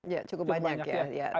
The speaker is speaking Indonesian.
ya cukup banyak ya